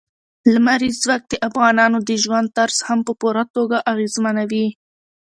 لمریز ځواک د افغانانو د ژوند طرز هم په پوره توګه اغېزمنوي.